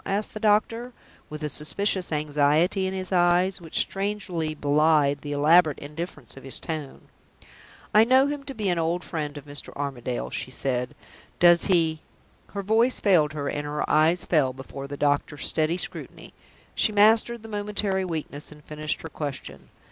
asked the doctor, with a suspicious anxiety in his eyes, which strangely belied the elaborate indifference of his tone. "I know him to be an old friend of Mr. Armadale's," she said. "Does he ?" Her voice failed her, and her eyes fell before the doctor's steady scrutiny. She mastered the momentary weakness, and finished her question.